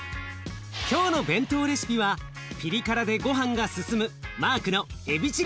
今日の弁当レシピはピリ辛でごはんが進むマークのエビチリ